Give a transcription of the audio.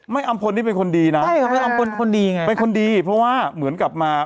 อำพลนี่เป็นคนดีนะใช่อำพลคนดีไงเป็นคนดีเพราะว่าเหมือนกลับมา